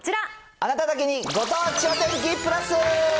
あなただけにご当地お天気プラス。